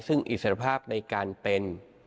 ซึ่งอิสรภาพในการเป็น